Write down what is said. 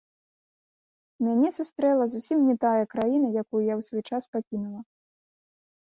Мяне сустрэла зусім не тая краіна, якую я ў свой час пакінула.